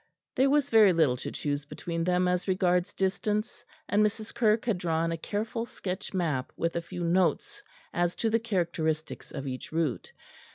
There was very little to choose between them as regards distance, and Mrs. Kirke had drawn a careful sketch map with a few notes as to the characteristics of each route.